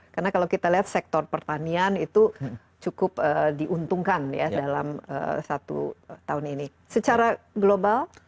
karena kalau kita lihat sektor pertanian itu cukup diuntungkan ya dalam satu tahun ini secara global